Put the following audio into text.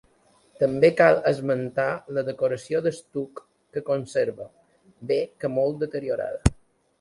També cal esmentar la decoració d'estuc que conserva, bé que molt deteriorada.